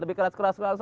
lebih keras keras keras